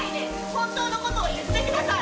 本当のことを言ってください。